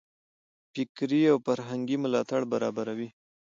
فکري او فرهنګي ملاتړ برابروي.